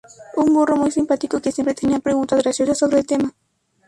Un burro muy simpático que siempre tenía preguntas graciosos sobre el tema.